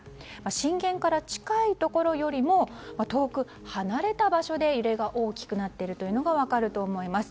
震源から近いところよりも遠く離れた場所で揺れが大きくなっているというのが分かると思います。